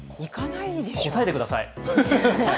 答えてください。